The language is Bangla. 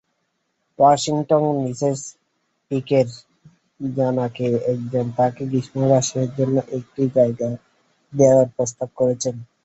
ওয়াশিংটনে মিসেস পীকের জানা কে একজন তাকে গ্রীষ্মাবাসের জন্য একটি জায়গা দেওয়ার প্রস্তাব করেছেন।